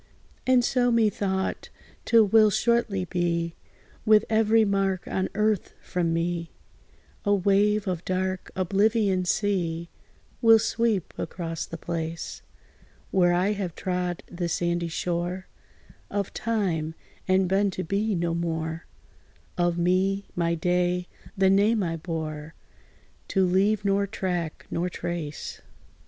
And so, methought, 't will shortly be With every mark on earth from me; A wave of dark oblivion's sea Will sweep across the place, Where I have trod the sandy shore Of time, and been to be no more, Of me my day the name I bore, To leave nor track, nor trace.